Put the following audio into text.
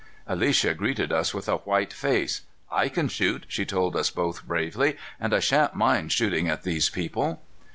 Alicia greeted us with a white face. "I can shoot," she told us both bravely, "and I shan't mind shooting at these people."